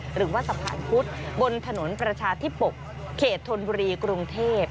หรือว่าสะพานพุธบนถนนประชาธิปกเขตธนบุรีกรุงเทพ